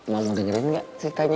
mau dengerin nggak ceritanya